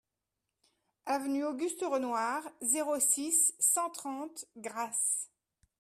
Avenue Auguste Renoir, zéro six, cent trente Grasse